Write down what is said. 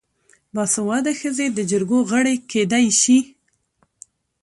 باسواده ښځې د جرګو غړې کیدی شي.